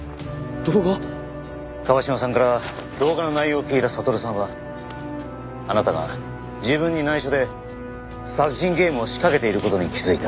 椛島さんから動画の内容を聞いた悟さんはあなたが自分に内緒で殺人ゲームを仕掛けている事に気づいた。